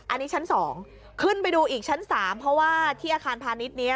อันนี้ชั้น๒ขึ้นไปดูอีกชั้น๓เพราะว่าที่อาคารพาณิชย์นี้